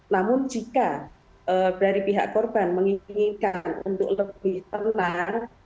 namun jika dari pihak korban menginginkan untuk lebih tenang